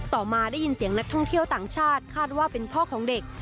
ต่อมาได้ยินเสียงนักท่องเที่ยวต่างชาติคาดว่าเป็นพ่อของเด็ก